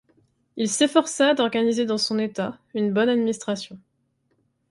Il s'efforça d'organiser dans son État une bonne administration.